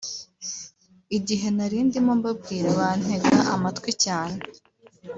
Igihe nari ndimo mbabwira bantega amatwi cyane